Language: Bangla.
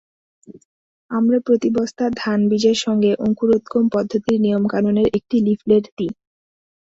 আমরা প্রতি বস্তা ধানবীজের সঙ্গে অঙ্কুরোদ্গম পদ্ধতির নিয়মকানুনের একটি লিফলেট দিই।